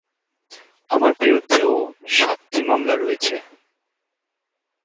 আমার বিরুদ্ধেও সাতটি মামলা রয়েছে।